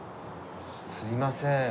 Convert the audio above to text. すいません。